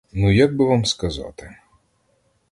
Ну як би вам сказати.